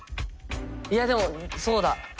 いやでもそうだ。